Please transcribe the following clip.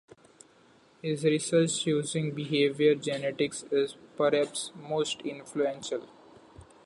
His research using behavior genetics is perhaps most influential.